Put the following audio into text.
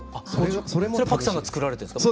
それもパクさんが作られてるんですか？